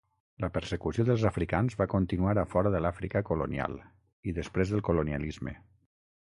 La persecució dels africans va continuar a fora de l'Àfrica colonial, i després del colonialisme.